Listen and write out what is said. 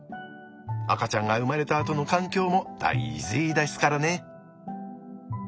赤ちゃんが生まれたあとの環境も大事ですからね。